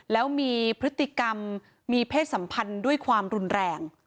แล้วมีพฤติกรรมมีเพศสัมพันธ์ด้วยความรุนแรง